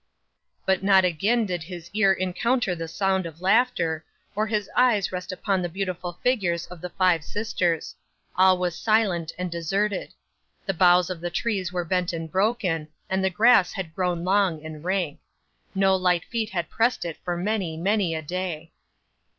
'But not again did his ear encounter the sound of laughter, or his eyes rest upon the beautiful figures of the five sisters. All was silent and deserted. The boughs of the trees were bent and broken, and the grass had grown long and rank. No light feet had pressed it for many, many a day.